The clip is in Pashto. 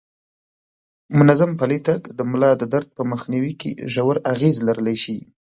منظم پلی تګ د ملا د درد په مخنیوي کې ژور اغیز لرلی شي.